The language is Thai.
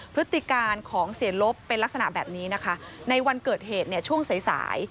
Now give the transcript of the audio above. พฤติการของเสียรบเป็นลักษณะแบบนี้ในวันเกิดเหตุช่วงสาย